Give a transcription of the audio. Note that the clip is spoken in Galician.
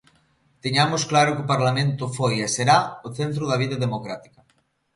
Teñamos claro que o Parlamento foi e será o centro da vida democrática.